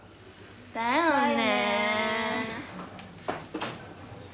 だよね。